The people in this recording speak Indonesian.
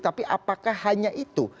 tapi apakah hanya itu